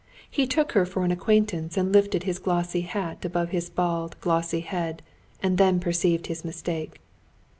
He took her for an acquaintance, and lifted his glossy hat above his bald, glossy head, and then perceived his mistake.